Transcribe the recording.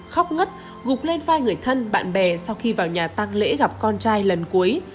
khóc ngất gục lên vai người thân bạn bè sau khi vào nhà tăng lễ gặp con trai lần cuối